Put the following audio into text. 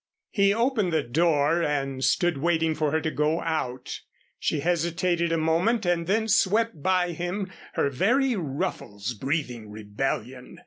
He opened the door and stood waiting for her to go out. She hesitated a moment and then swept by him, her very ruffles breathing rebellion.